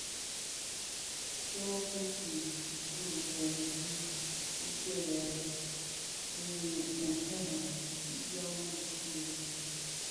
Tsok ki fin dhi ireb më tidhëk bidhi fènfèn a dyaň bisu u.